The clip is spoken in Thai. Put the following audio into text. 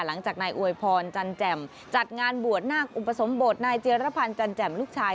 หลังจากนายอวยพรจันแจ่มจัดงานบวชนาคอุปสมบทนายเจียรพันธ์จันแจ่มลูกชาย